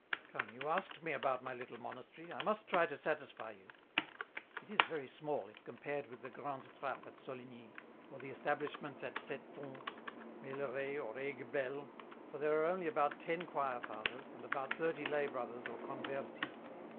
" Come, you asked me about my little monastery ; I must try to satisfy you. It is very small, if compared with the grande Trappe at Soligny, or the establishments at Sept Fonds, Meilleray or Aiguebelle, for there are only about ten choir fathers, and about thirty lay brothers or ' conversi.'